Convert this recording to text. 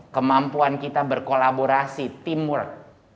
kemampuan kita berkolaborasi teamwork